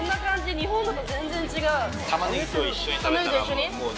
日本のと全然違う。